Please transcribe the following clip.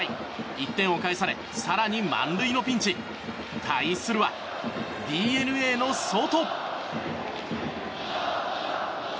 １点を返され更に満塁のピンチ対するは、ＤｅＮＡのソト。